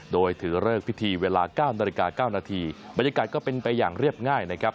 โดยถือเลิกพิธีเวลา๙นาฬิกา๙นาทีบรรยากาศก็เป็นไปอย่างเรียบง่ายนะครับ